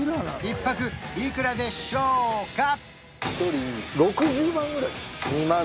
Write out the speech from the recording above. １泊いくらでしょうか？